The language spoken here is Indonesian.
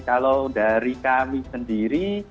kalau dari kami sendiri